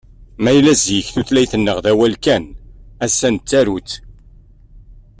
Ma yella zik tutlayt-nneɣ d awal kan, ass-a nettaru-tt.